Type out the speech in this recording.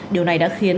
điều này đã khiến